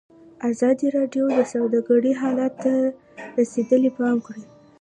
ازادي راډیو د سوداګري حالت ته رسېدلي پام کړی.